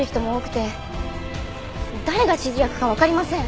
誰が指示役かわかりません。